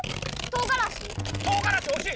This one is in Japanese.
とうがらし？